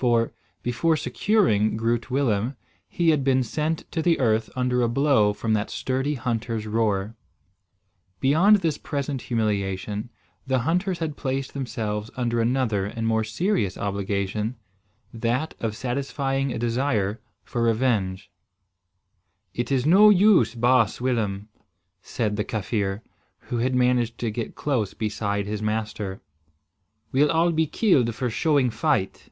For, before securing Groot Willem, he had been sent to the earth under a blow from that sturdy hunter's roer. Beyond this present humiliation, the hunters had placed themselves under another and more serious obligation, that of satisfying a desire for revenge. "It is no use, baas Willem," said the Kaffir, who had managed to get close beside his master. "We'll be killed for showing fight."